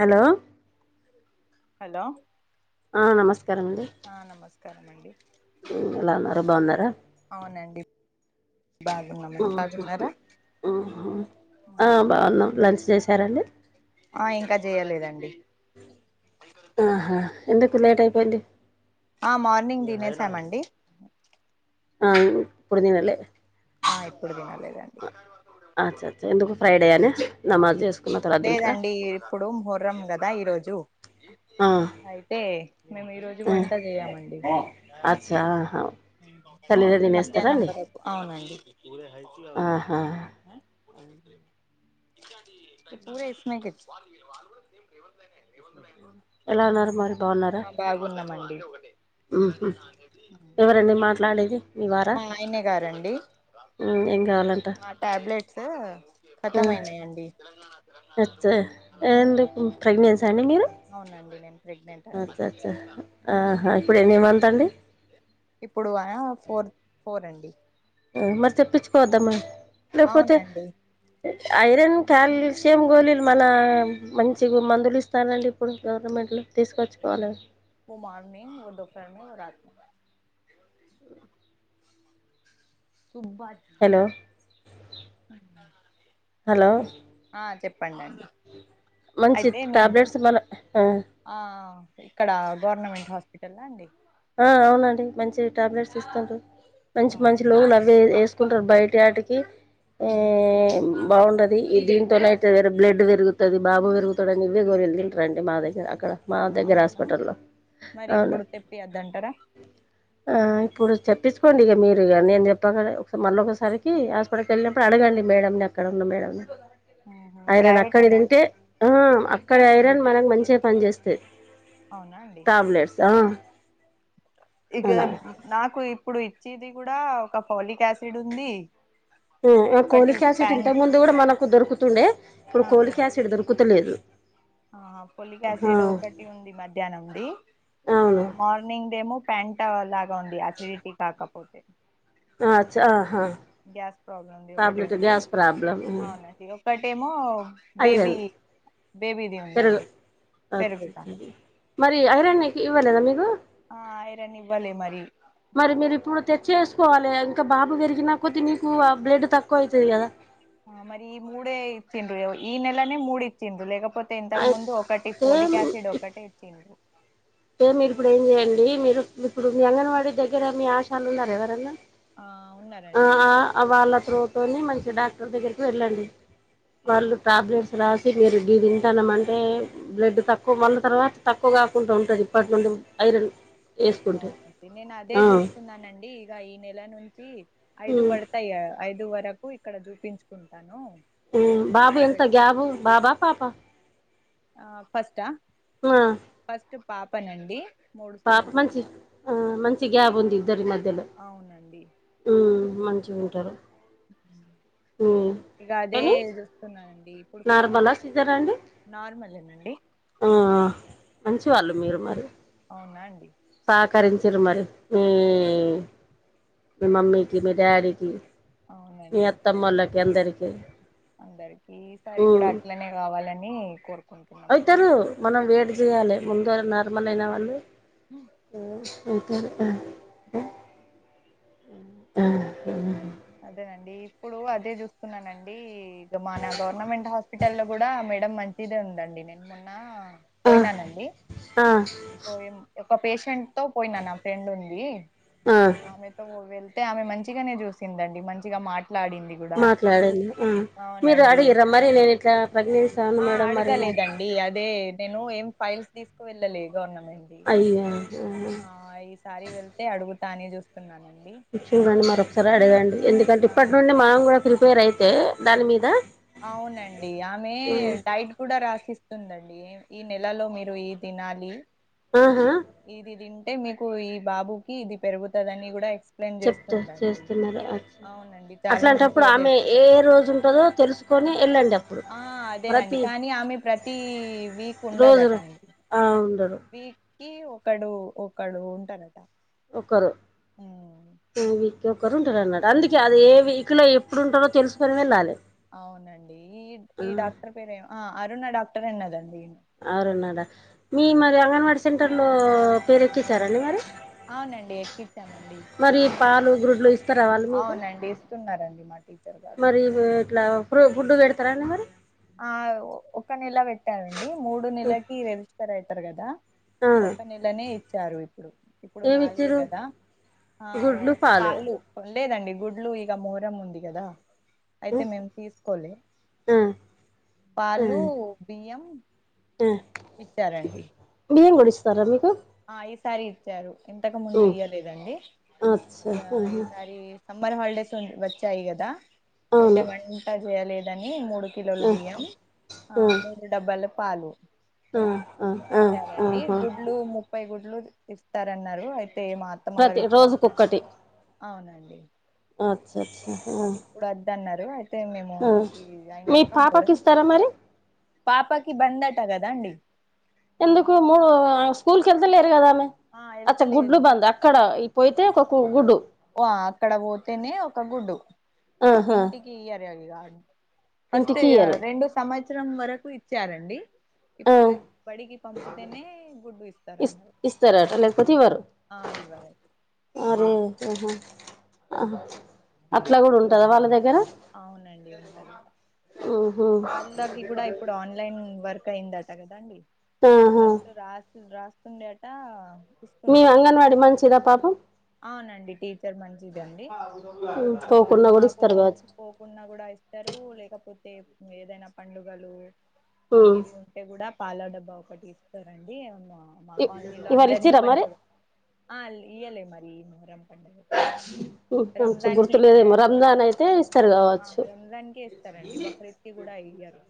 Hello.. hello.. ఆ నమస్కారం అండి. నమస్కారం అండి. ఎలా ఉన్నారు బాగున్నార అవునండి. బాగునం [inaudible] ఆ బాగున్నం లంచ్ చేశారండి ఆ ఇంకా జెయలేదండి ఆహా ఎందుకు లేట్ అయిపోయింది ఆ మార్నింగ్ దినేసాం అండి ఆ ఇపుడుందినాలేే ఆ ఇప్పుడు తినలేదండి అ అచ్చ ఎందుకు ఫ్రైడేయాన్యా నమాజ్ జెసుకున్నా లేదండి ఇప్పుడు ముహ్రం గదా ఈరోజు. ఆ అయితే మేము ఈ రోజు వంట జెయమండి. అచ్చహా అయితే మధ్యాహ్నం వరకు అవునండి ఆహా [inaudible] [unintelligible] ఎలా ఉన్నారు మరి ఆ బాగున్నామన్డి ఉహుమ్ ఎవరండి మాట్లాడేది మీ వారా మా ఆయన్నే గారండి ఏం మా ట్యాబ్లెట్స్. మ్ అచ్చే ఏంటి [unintelligible] ప్రెగ్నెన్సన్డి మీరు అవునండి నేను ప్రెగ్నెంట్ అ అండి చ్చ చ్చా ఆహ ఇప్పుడేన్ని మంతన్డి. ఇప్పుడు ఆవ్ ఫోర్ ఫోరండి మ్ మరి తెప్పించ్కోద్దామ్మ లేక్పోతే అవునండి ఐరన్ కాల్షియం గోళీలు మన మంచిగు మందులిస్తానండి. ప్పుడు గవర్నమెంట్లో తీస్కొచ్చుకోవాలే ఉ మార్నింగ్ ఉదప్రము రా [unintelligible] ఆ సుబ్బా [unintelligible] హలో అన్నా [unintelligible] హలో ఆ చెప్పన్డండి మంచి ట్యాబ్లెట్స్ మన ఆ ఆ ఇక్కడ గవర్నమెంట్ హాస్పిటల్లన్డి ఆ అవునండి మంచి టాబ్లెట్స్ ఇస్తన్రు మంచి ఆ మంచి లోనవే ఏస్కుంటార్ బయటటికి ఆ ఆహా ఆ ఆమ్ బాగుండది ఈ దీంతోనైతే వేరే బ్లేడ్ పెరుగుతది. బాబు పెరుగుతడని, నువ్వే గోరి ఎల్లింట్రండి మా దగ్గర అక్కడ. మా దగ్గర హాస్పిటల్లో అవును తెప్పియద్దంటార ఆ ఇప్పుడు చెప్పించుకోండి ఇగ మీరిగ నేన్ జేప్పకనే ఒక్సారి మల్లొకసరికి హాస్. అక్కడికేళ్ళినప్పుడు అడగండి, మేడంనక్కడ ఉన్న మేడంన్నీ ఆహా! ఆయనను ప్రైవేట్ అక్కడే తింటే. హామ్ అక్కడైరన్ మనకు మంచిగా పన్ జేస్తాయి, అవునా అండి టాబ్లెట్స్ ఆ. ఇక మ్, అలాగే మ్ నాకు ఇప్పుడు ఇచ్చేది కూడా తప్ ఫౌలిక్ యసిడున్ది. మ్ ఆ కోలిక్ ఆసిటీంత ముందు కూడా మనకు దొరుకుతుండే ఇప్పుడు కోలిక్యాసిడ్ దొరుకుతలేదు ఆ ఆ పొలిక్యసిడు ఒకటి ఉంది మధ్యాహ్నంది ఆ అవును మార్నింగ్ దేమో. ఫ్యాన్ట లాగా ఉంది అసిడిటీ కాక్కపోతే అచ్చ ఆహా గ్యాస్ ప్రాబ్లమ్ది టాబ్లెట్ ఒకటున్ది గ్యాస్ ప్రాబ్లం అవునం [unintelligible] ఒకటేమో. బేబీ ఐరన్ బేబీది పెరుగు ఉన్దండి పెరుగుత మరి ఐరన్న్కి ఇవ్వాలేదా మీకు ఆ ఐరానివ్వాలే మరి మరి మీరిప్పుడు తెచ్చేస్కోవాలే ఇంకా, బాబు పెరిగిన కొద్ది నీకు ఆ బ్లేడ్డు తక్కువైతది కదా? ఆ మరి ఈ మూడే ఇచ్చిండ్రు యవై ఈ నెలనే మూడిచిన్డ్రు లేకపో తే ఇంతక ముందు ఒకటి అయితే పోలిక్యసిడ్ ఒక్కటే ఇచ్చిన్డ్రు టె మీరిప్పుడు ఏం జేయండి, మీరు ఇప్పుడు మీ అంగన్వాడీ దెగ్గర మీ ఆశాలున్నారా ఎవరన్నా? ఆ ఆ, ఉన్నారండి ఆ, అవాళ్ళ త్రోతోనె మంచి డాక్టర్ దెగ్గర్కి వెళ్ళండి. ఆ వాళ్లు టాబ్లెట్స్ రాసి మీరు గి తింటన్నమ్ అంటే బ్లడ్ తక్కువ మల్ల తర్వాత తక్కువ గాకుంటడున్టది. ఇప్పట్నుండిమ్ ఐరన్ అవునండి నేన్నదే ఆ జూస్స్తున్నానండి, ఇగ ఈ నెల నుంచి ఐదు ఉమ్ వడ్. టయా ఐదు వరకు ఇక్కడ జూపించుకుంటాను బాబు ఎంత గ్యాబు బాబా పాపా ఆ ఫస్ట్ ఆ ఉ ఆ ఫస్ట్ పాప నండి పాప మంచి ఆ మంచిగ గ్యాబ్ ఉంది ఇద్దరి మధ్యలో అవునండి ఊ మంచిగుంటారు అ ఉమ్ ఇగ అదే కానీ చూస్తున్నానండి ఇప్పుడు ఫోర్ మంత్ నార్మలా నార్మలేనండి ఉ ఆ మంచివాళ్ళు మీరు మరి అవునా అండి సహకరించిర్రు మరి మీ మీ మమ్మీకి మీ డాడీకి మీ అవునండి అత్తమ్మోళ్ళకి అందరికీ అందరికీ ఈసారి కూడా అట్లనే కావాలని కొరు అవుతారు మనం వెయిట్ చెయ్యాలి ముందు [inaudible] నార్మల్ అయినా వాళ్ళ హుమ్మ్ [unintelligible] అదేనండి ఇప్పుడు అదే చూస్తున్నానండి ఊ మన గవర్నమెంట్ హాస్ప్ స్పిటల్ లో కూడా మేడం మంచిదే ఉందండి నేను మొన్న ఆ పోయినానండి ఆ పోయం ఒక పేషెంట్ తో పోయినా నా ఫ్రెండ్ ఉంది ఆ ఆమె వెళ్తే ఆమె మంచిగానే చూసిందండి మంచిగా మాట్లాడింది కూడా మాట్లాడండి ఉమ్ మీరు అవునండి అడిగర్రా మరి నేను ఇట్లా ప్రెగ్నెన్సీ అయినా మేడం మరి నా డి అదే నేను ఏం ఫైల్స్ తీసుకువెళ్ళలే గవర్నమెంట్ ది [inaudible] ఆ ఈసారి వెళ్తే అడుగుతా అనే చూస్తున్నానండి చూడండి మరొకసారి అడగండి ఎందుకంటే ఆ ఇప్పటి నుండి మనం కూడా ప్రిపేర్ అయితే దాని మీద అవునండి ఆమె డైడ్ కూడా రాసిస్తుందండి ఈ నెలలో మీరు ఈ తినాలి ఆ ఆహా ఇది తింటే మీకు ఈ బాబుకి ఇది పెరుగుతాదని కూడా ఎక్స్ చెప్తే చేస్తున్నారు అట్లా అవునండి చాలా అట్లాంటప్పుడు మంచిగా ఆమె చేస్తుంది ఏ రోజుంటదో తెలుసు కొని ఎళ్ళండ ఆ అదేనండి కానీ ఆమె ప్రతీ వీక్ రోజు ఉండదట అండి ఆ ఉండరు కీ ఒకడు ఒకడుంటాడట ఒకరు టూ వీక్ ఒకరు ఉంటారు అన్నట అందుకే ఆ అది ఏ వీకులో ఎప్ ప్పుడుంటారో తెలుసుకుని వెళ్ళాలి అవునండి ఈ ఆ ఈ డాక్టర్ పేరేం ఆ అరుణ డాక్టర్ అన్నదండి అరుణ డా మీ మరి అంగన్వాడీ సెంటర్లో పేరు ఎక్కిచ్చారండి మరి అవునండి ఎక్కిచ్చామండి మరి పాలు గ్రుడ్లు ఇస్తారా వాళ్ళు మీకు అవునండి తున్నారండి నాకి మరి ఉ ఇట్లా ప్రు గుడ్డు పెడతరా అండి మరి ఆ ఒక నెల పెట్టారండి మూడు నెలకి రెజిస్టర్ అయితారు కదా ఆ, ఒక నెలనే ఇచ్చారు ఇప్పుడు ఇప్పుడు ఏమి నాలుగే ఇచ్చిర్రు కదా ఆ పాలు లేదండి గుడ్లు ఇగ మహరం ఉంది కదా ఆ, అయితే మేము తీసుకోలే ఆ ఆ పాలు బియ్యం ఆ ఇత్తారండి బియ్యం కూడ ఇస్తార మీకు ఆ ఈ సారీ ఇచ్చారు ఇంతకు ముందు ఉమ్ ఇయ్యలేదండి అచ్చా ఈ ఆహా సారీ సమ్మర్ హాలిడేస్ వచ్చాయి కదా అయితే అవును వంట చేయలేదని మూడు కిలోలు ఆ బియ్యం ఆ మూడు డబ్బల పాలు ఆ ఆ ఆ ఇస్తరండి ఆహా గుడ్లు ముప్పై గుడ్లు ఇస్తారన్నారు అయితే మ మా అత్తమ్మగారు ప్రతి ఇప్పుడు అద్ద రోజుకొక్కటి అన్నారు అవునండి అచ్చ అచ్చ ఇప్పుడు వద్ద అన్నారు అయితే మేము ఆ ఈ మీ అయినంక పాపకి బోరం ఇస్తారా మరి పాపకి బందట కదా అండి ఎందుకు మూడు స్కూల్ వెళ్తేలేరు కదా ఆమె ఆ అచ్చ గుడ్లు వెళ్తలేదు బంద్ అక్కడ పోతే ఒక [unintelligible] ఓ అక్కడ పోతేనే ఒక గుడ్డు ఆహా ఇంటికి [unintelligible] ఫస్ట్ ఇంటికి ఇయ్యరు రెండు సంవత్సరం వరకు ఇచ్చారండి ఆ ఇప్పుడు బడికి పంపుతేనే గుడ్డు ఇస్తారు ఇస్ అన్నారు [unintelligible] అట్లా కూడ ఉంటదా వాళ్ళ దగ్గర అవునండి ఉంటరు ఆహా వాళ్ళకి కూడ ఇప్పుడు ఆన్లైన్ వర్క్ అయిందట కదాండి ఆహా ఫస్ట్ రా రాస్తుండే ఆటా మీ అంగన్వాడీ మంచిద పాపం అవునండి టీచర్ మంచిదండి పోకుండా కూడా మాకు ఇస్తారు కావచ్చు పోకుండ కూ [unintelligible] లేకపోతే ఏదైనా పండుగలు అవి ఉమ్ ఇవి అ కూడ పాల డబ్బా ఒకటి ఇస్తారండి మా కాలనీలో ఇవాళ అందరినీ ఇచ్చిరా పంచ మరి ఆ ఇయలే మరి ఈ మహరం పండగ మంచి రంజాన్కి గుర్తులేదేమో ఇచ్చారు రంజాన్ అయితే ఇస్తారు ఆ కావచ్చు రంజాన్ క ఇస్తారండి బక్రీద్ కూడ ఇయ్యారు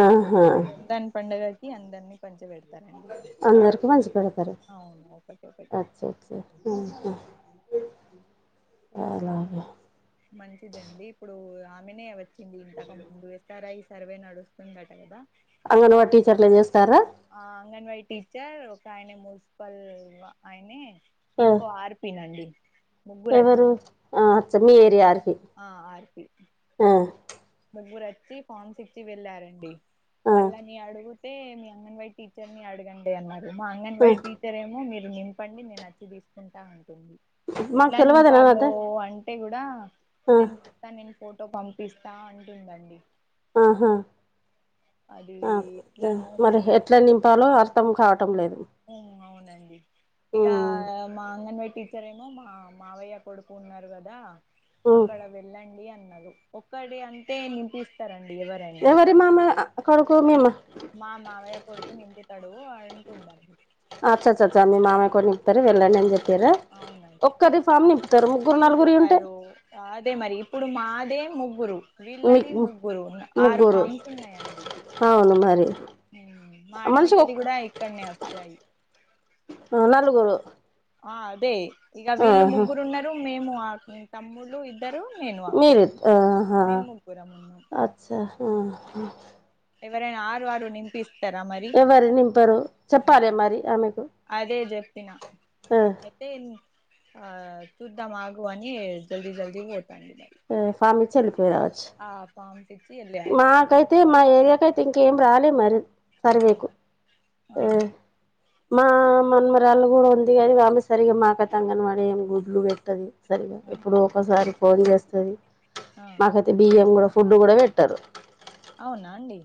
ఆహా రంజాన్ పండగ ఈ అందరినీ [unintelligible] పెడతారండి అందరికి మంచి పెడతారు అవును ఒకటి ఒకటి [unintelligible] మంచిదండి ఇప్పుడు ఆమెనే వచ్చింది ఇంతాక ముందు [unintelligible] సర్వే నడుస్తుందట కదా అంగనవాడి [unintelligible] ఫామ్స్ టీచర్లు చేస్తార ఆ అంగన్వాడ టీచర్ ఒక ఆయనెమో మున్సిపల్ ఆయనే ఆ ఇంకో ఆర్ వినండి ఎవరు అచ్చ మీ ఏరియాకి ఆ [unintelligible] ఆ ముగ్గురు వచ్చి ఫార్మ్స్ ఇచ్చి వెళ్ళారండి ఆ వాళ్ళని అడుగుతే మీ అంగన్ వాడి టీచర్ని అడగం [unintelligible] అన్నారు మా అంగన్వాడి ఆ టీచర్ ఏమో మీరు నింపండి నేను అచ్చి తీసుకుంటా అంటుంది మాకు ఎట్లా తెలియదునా నింపాలో అదే అం టే కూడా నేను చెప్తా నేను ఫోటో పంపిస్తా అంటుందండి ఆహా అది ఎట్లానో మరి ఎట్లా నింపాలో అ ర్థం కావటం లేదు ఉమ్మ్ అవునండి ఇగ మా అంగన్వాడి టీ చర్ ఏమో మా మావయ్య కొడుకు ఉన్నారు కదా అక్కడ వెళ్ళండి అన్నారు ఒక్కడి అంతే నింపిస్తారంండి ఎవరై ఎవరి మామ కొడుకు మీ మా మా మావయ్య కొడుకు నింపితాడు అంటుందండి అచ్చచ్చచ్చ మీ మామయ్య కొడుకు నింపుతారు వెళ్ళండి అని చెప్పిరా అవునండి ఒక్కరి సామ్ నింపుతారు ముగ్గురు నలుగురి ఉంటే నింపుతారు అదే మరి ఇప్పుడు మాదే ముగ్గురు మీ వీళ్ళది ముగ్గురు ఆరు ముగ్గురు ఫామ్స్ ఉన్నాయండి అవును మరి ఉమ్మ్ మా మనిషి ఒ ఆడిబిడ్డది కూడా ఇక్కడనే వస్తాయి ఆ నలుగురు ఆ అదే ఇగ వీళ్ళు ఆహా ముగ్గురు ఉన్నారు మేము ఆ తమ్ములు ఇద్దరు నేనువా మీరు మేము ముగ్గురమున్నాం స ఆ హా ఎవరైనా ఆరు ఆరు నేన్ తీస్ ఎవరు నింపరు చెప్పారే మరి ఆమెకు అదే చెప్పిన ఆ అయితే ఆ చుద్దాం ఆగు అని జల్దీ జల్దీ పోతంది మరి ఆ ఫామ్ ఇచ్చి ఎళ్ళిపోయి గవచ్చు ఆ ఫామ్స్ ఇచ్చి ఎలారు తే మా ఏరియాకి అయితే ఇంకేం రాలే మరి ఆ సర్వేకు ఆ మా మనమరాళ్ళు కూడా ఉంది కాని వాళ్లు సరిగా మకైతే అంగన్వాడి ఎం గుడ్లు పెట్టదు సరిగా ఆ ఎప్పుడు ఒకసారి కోడి తెస్తాది ఆ కతే బియ్యం కూడా ఫుడ్ కూడా పెట్టారు అవునాండి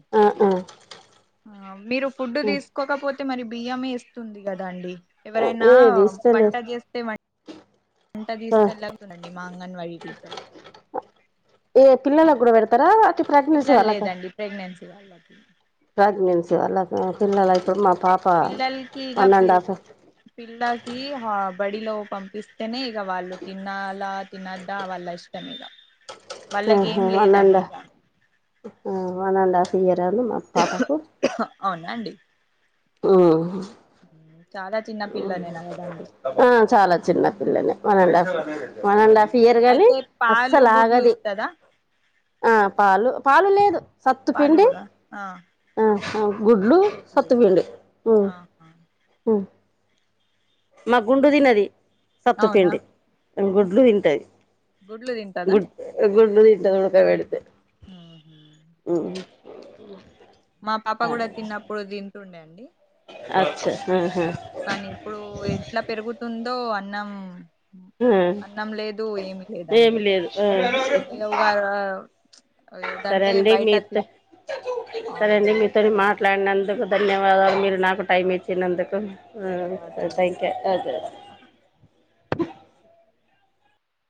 ఆ మీరు ఫుడ్ తీసుకోకపో తే మరి బియ్యమే ఇస్తుంది కదా అండి ఎవరైనా ఏది వంట ఇస్తలేదు చేస్తే వం [inaudible] ట తీసుకెళ్ళ తుందండి మా అంగన్వాడీ టీచర్ ఏ పిల్లలకు కూడా పెడతారా అ పిల్లలు లేదండి ప్రెగ్నెన్సీ వాళ్ళకి ప్రెగ్నెన్సీ వాళ్ళక అవునండి పిల్లలైతే మా పాప పిల్లలకి ఇక వన్ అండ్ పి- హాఫ్ పిల్లకి హా బడిలో పంపిస్తేనే ఇగ వాళ్ళు తినాలా తినద్దా వాళ్ళ ఇష్టం ఇగ ఆహా అన్నన్లే ఆ వన్ అండ్ హాఫ్ ఇయరాలు మా పాపకు అవునాండి చాలా చిన్న పిల్లనే నదా ఆ చాలా చిన్న పిల్లనే one and half one and half year గాని అయితే పాలు అస్సలు గుడ్లు ఆగది ఇస్తదా ఆ పాలు పాలు లేదు పాలు సత్తుపిండి కూడా ఆ ఆ గుడ్లు సత్తుపిండి ఆహా మా గుండు తిన్నది సత్తు అవునా పిండి గుడ్లు తింటది గుడ్లు తింటదా గుడ్ గుడ్లు తింటది ఉడ్క బెడితే ఆహా ఆ మా పాప కూడా తిన్నప్పుడు తింటుండే అండి అచ్చ ఆహా కానీ ఇప్పుడు ఎట్లా పెరుగుతుందో అన్నం ఆ అన్నం లేదు ఏమి లేదండి ఏమి లేదు ఆ వుగార్ సరే అండి మీతో సరే అండి అవునండి మీతోని సరేనండి మాట్లాడినందుకు ధన్యవాదాలు మీరు నాకు టైం ధన్యవాదాలు ఇచ్చినందుకు థ్యాంక్ యూ అ